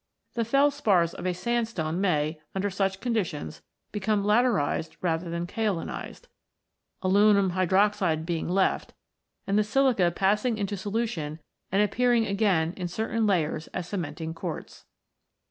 The felspars of a sandstone may, under such conditions, become laterised rather than kaolinised, aluminium hydroxide being left, and the silica pass ing into solution and appearing again in certain layers as cementing quartz.